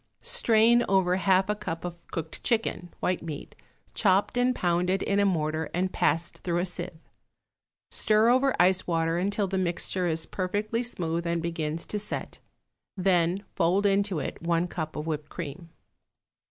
Strain over half a cup of cooked chicken (white meat), chopped and pounded in a mortar and passed through a sieve. Stir over ice water until the mixture is perfectly smooth and begins to set, then fold into it one cup of whipped cream.